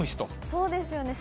そうですよね。